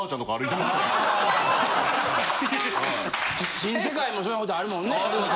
新世界もそういうことあるもんね？